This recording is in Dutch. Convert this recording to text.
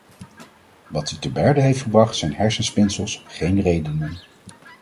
Wat u te berde heeft gebracht zijn hersenspinsels, geen redenen.